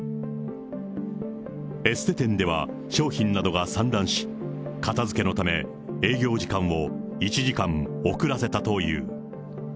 エステ店では、商品などが散乱し、片づけのため、営業時間を１時間遅らせたという。